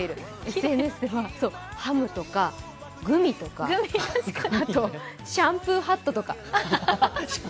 ＳＮＳではハムとかグミとかあとシャンプーハットとか。